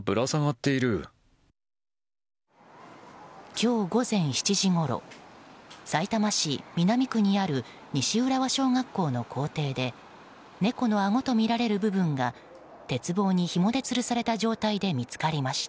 今日午前７時ごろさいたま市南区にある西浦和小学校の校庭で猫のあごとみられる部分が鉄棒に、ひもでつるされた状態で見つかりました。